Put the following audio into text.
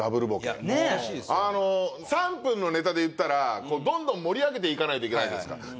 あの３分のネタでいったらどんどん盛り上げていかないといけないじゃないですか。